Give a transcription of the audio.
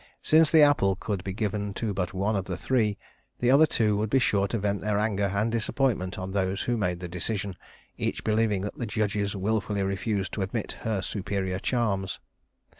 Since the apple could be given to but one of the three, the other two would be sure to vent their anger and disappointment on those who made the decision, each believing that the judges willfully refused to admit her superior charms.